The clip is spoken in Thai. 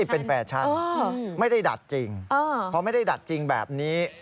เป็นแฟชั่นไม่ได้ดัดจริงพอไม่ได้ดัดจริงแบบนี้